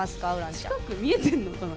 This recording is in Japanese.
近く見えてんのかな？